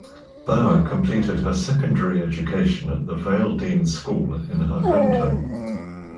Bauer completed her secondary education at the Vail-Deane School in her hometown.